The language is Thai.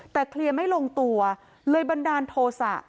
แต่เคลียร์ไม่ลงตัวเลยบันดาลโทษะ